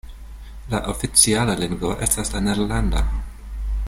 La oficiala lingvo estas la nederlanda.